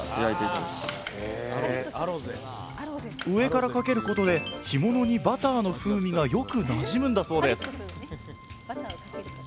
上からかけることで干物にバターの風味がよくなじむんだそうです